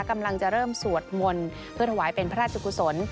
กำลังจะเริ่มสวดมนต์เพื่อถวายเป็นพระราชกุศล